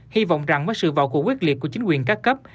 hy vọng rằng với sự vào cuộc quyết liệt của chính quyền các cấp